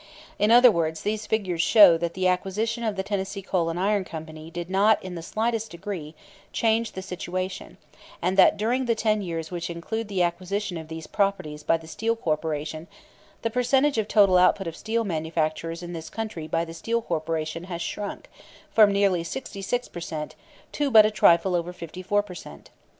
In other words, these figures show that the acquisition of the Tennessee Coal and Iron Company did not in the slightest degree change the situation, and that during the ten years which include the acquisition of these properties by the Steel Corporation the percentage of total output of steel manufacturers in this country by the Steel Corporation has shrunk from nearly 66 per cent to but a trifle over 54 per cent.